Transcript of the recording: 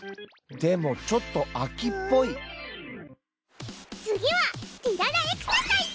でもちょっと飽きっぽい次はティララエクササイズ！